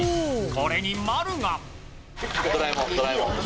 これに丸が。